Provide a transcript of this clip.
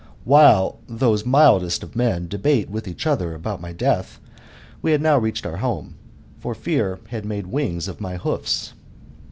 While those mildest of men^ debate with each other about my death, we had now reached our home ; for fear had made wings of my hoofs.